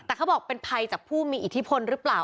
แต่เขาบอกเป็นภัยจากผู้มีอิทธิพลหรือเปล่า